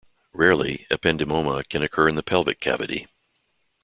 Rarely, ependymoma can occur in the pelvic cavity.